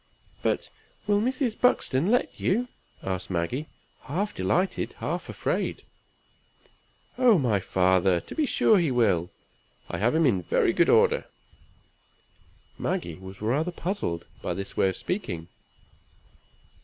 "But will Mr. Buxton let you?" asked Maggie, half delighted half afraid. "Oh, my father! to be sure he will. I have him in very good order." Maggie was rather puzzled by this way of speaking.